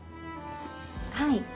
はい。